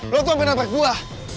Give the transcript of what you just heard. lo tuh sampe nabrak gua